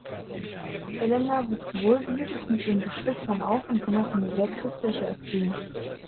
Helena wuchs wohlbehütet mit ihren Geschwistern auf und genoss eine sehr christliche Erziehung.